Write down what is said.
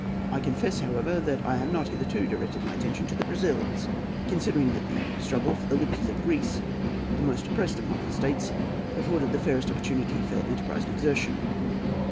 I confess, however, that I have not hitherto directed my attention to the Brazils; considering that the struggle for the liberties of Greece, the most oppressed of modern states, afforded the fairest opportunity for enterprise and exertion.